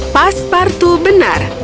pas pastor benar